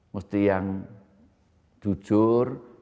mesti yang jujur